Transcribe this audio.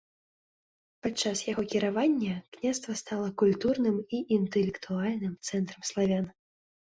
Падчас яго кіравання княства стала культурным і інтэлектуальным цэнтрам славян.